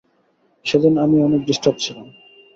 সেদিন আমি অনেক ডিস্টার্বড ছিলাম।